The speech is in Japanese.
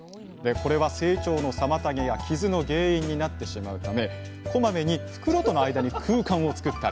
これは成長の妨げや傷の原因になってしまうためこまめに袋との間に空間をつくったりあ手間かかる。